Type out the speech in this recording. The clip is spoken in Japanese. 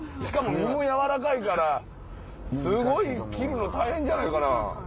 しかも身もやわらかいからすごい切るの大変じゃないかな。